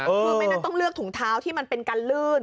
ไม่น่าต้องเลือกถุงเท้าที่มันเป็นกันลื่น